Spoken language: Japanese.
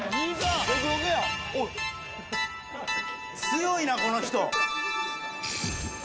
強いなこの人。